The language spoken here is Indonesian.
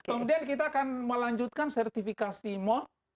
kemudian kita akan melanjutkan sertifikasi mal